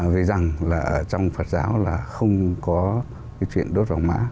vì rằng trong phật giáo là không có chuyện đốt vàng mã